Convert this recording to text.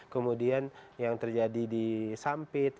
kemudian yang terjadi di sampit